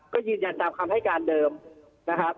ก็ยืนยันตามคำให้การเดิมนะครับ